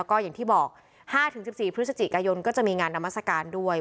ก็อย่างที่บอก๕๑๔พฤศจิกายนก็จะมีงานนามัศกาลด้วย